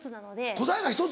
答えが１つ？